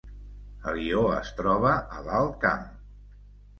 Alió es troba a l’Alt Camp